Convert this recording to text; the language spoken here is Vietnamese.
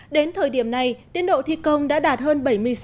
đến thời điểm này tiến độ thi công đã đạt hơn bảy mươi sáu